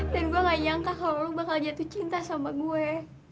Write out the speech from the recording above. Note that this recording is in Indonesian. gue gak nyangka kalau lo bakal jatuh cinta sama gue